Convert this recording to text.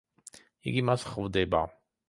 იგი მას ხვდება.